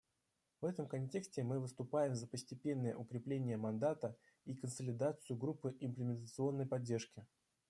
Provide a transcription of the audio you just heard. В этом контексте мы выступаем за постепенное укрепление мандата и консолидацию Группы имплементационной поддержки.